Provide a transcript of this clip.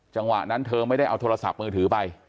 จังหวะนั้นเธอไม่ได้เอาโทรศัพท์มือถือไป